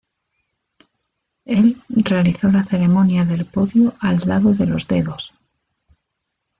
El realizó la ceremonia del podio al lado de los Dedos.